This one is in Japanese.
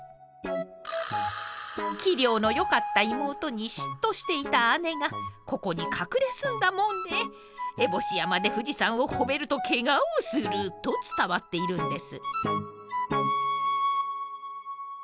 器量のよかった妹に嫉妬していた姉がここに隠れ住んだもんで烏帽子山で富士山を褒めるとケガをすると伝わっているんです。